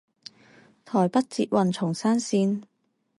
台北捷運松山線